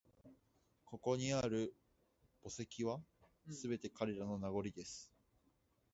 ここにある墓石は、すべて彼らの…名残です